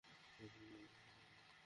Santiago মনে করে তুমি মেরেছ।